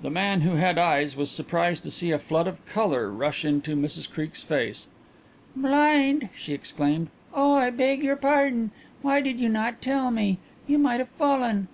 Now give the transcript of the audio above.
The man who had eyes was surprised to see a flood of colour rush into Mrs Creake's face. "Blind!" she exclaimed, "oh, I beg your pardon. Why did you not tell me? You might have fallen."